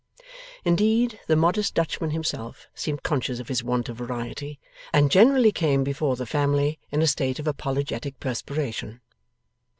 Indeed, the modest Dutchman himself seemed conscious of his want of variety, and generally came before the family in a state of apologetic perspiration.